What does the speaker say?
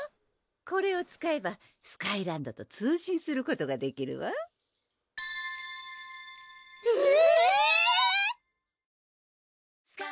これを使えばスカイランドと通信することができるわえぇ⁉